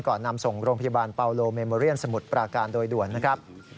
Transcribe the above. นำส่งโรงพยาบาลเปาโลเมโมเรียนสมุทรปราการโดยด่วนนะครับ